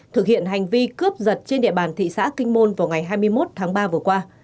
thực hiện hành vi cướp giật trên địa bàn thị xã kinh môn vào ngày hai mươi một tháng ba vừa qua